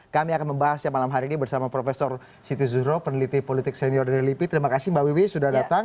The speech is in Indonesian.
kami akan membahasnya malam hari ini bersama prof siti zuhro peneliti politik senior dari lipi terima kasih mbak wiwi sudah datang